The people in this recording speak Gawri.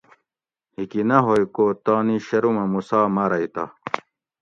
ھیکی نہ ہوگ کوتانی شرمہ موسیٰ مارگ تہ